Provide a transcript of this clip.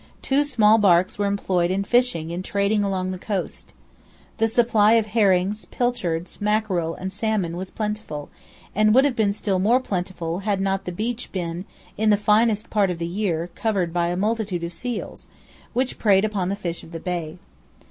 Two small barks were employed in fishing and trading along the coast. The supply of herrings, pilchards, mackerel, and salmon was plentiful, and would have been still more plentiful, had not the beach been, in the finest part of the year, covered by multitudes of seals, which preyed on the fish of the bay.